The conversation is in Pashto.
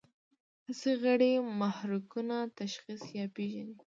حسي غړي محرکونه تشخیص یا پېژني.